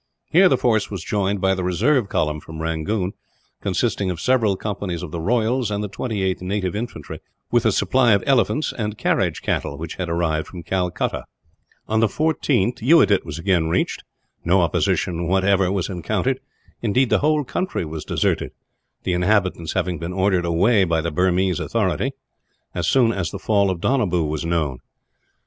Here the force was joined by the reserve column from Rangoon, consisting of several companies of the Royals and the 28th Native Infantry, with a supply of elephants and carriage cattle which had arrived from Calcutta. On the 14th, Yuadit was again reached. No opposition, whatever, was encountered; indeed, the whole country was deserted, the inhabitants having been ordered away by the Burmese authorities, as soon as the fall of Donabew was known.